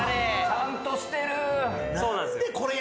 ちゃんとしてる。